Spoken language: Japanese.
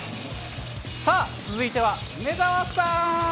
さあ、続いては梅澤さん。